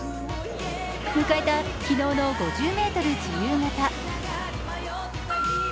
迎えた昨日の５０ｍ自由形。